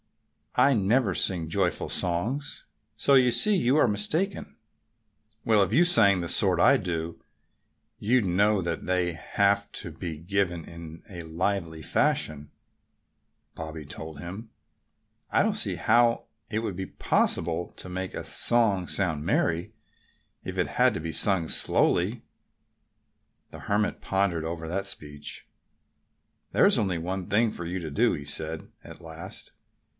"I never sing joyful songs. So you see you are mistaken." "Well, if you sang the sort I do you'd know that they have to be given in a lively fashion," Bobby told him. "I don't see how it would be possible to make a song sound merry if it had to be sung slowly." The Hermit pondered over that speech. "There's only one thing for you to do," he said at last.